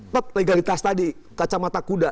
top legalitas tadi kacamata kuda